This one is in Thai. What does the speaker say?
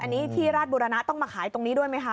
อันนี้ที่ราชบุรณะต้องมาขายตรงนี้ด้วยไหมคะ